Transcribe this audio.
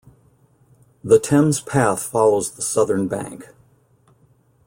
The Thames Path follows the southern bank.